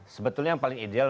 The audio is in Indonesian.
sebetulnya yang paling ideal